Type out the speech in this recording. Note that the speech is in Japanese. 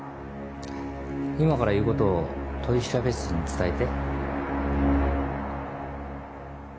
今から言う事を取調室に伝えて。